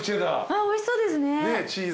あっおいしそうですね。